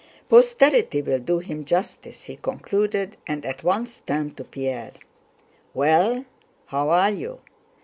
"Posterity will do him justice," he concluded, and at once turned to Pierre. "Well, how are you?